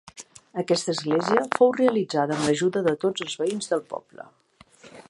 Aquesta església fou realitzada amb l'ajuda de tots els veïns del poble.